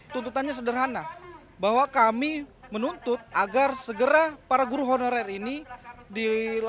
tuntutannya sederhana bahwa kami menuntut agar segera para guru honorer ini dilakukan